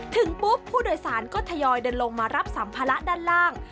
ถึงปุ๊บผู้โดยสารก็ทยอยเดินลงมารับสัมภาระด้านล่าง